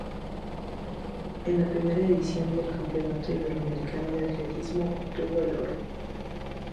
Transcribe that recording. En la primera edición del Campeonato Iberoamericano de Atletismo obtuvo el oro.